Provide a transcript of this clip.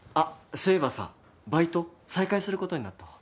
そういえばさバイト再開することになったわ。